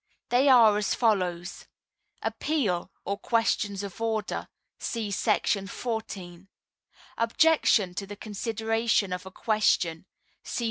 They are as follows: Appeal (or Questions of Order) ……………………… See § 14. Objection to the Consideration of a Question ………….